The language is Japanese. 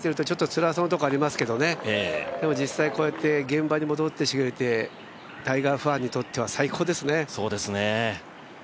ちょっとつらそうなところありますけどねでも実際、こうやって現場に戻ってきてくれてタイガーファンにとっては最高ですね。